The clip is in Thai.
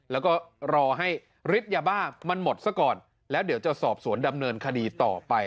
แล้วก็รอให้ฤทธิ์ยาบ้ามันหมดซะก่อนแล้วเดี๋ยวจะสอบสวนดำเนินคดีต่อไป